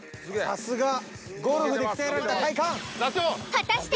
さすがゴルフで鍛えられた体幹。